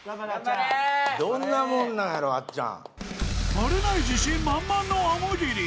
［バレない自信満々のあむぎり］